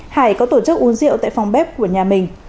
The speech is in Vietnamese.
hải có tổ chức uống rượu tại phòng bếp của nhà mình